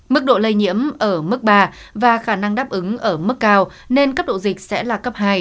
mức độ lây nhiễm ở mức ba và khả năng đáp ứng ở mức cao nên cấp độ dịch sẽ là cấp hai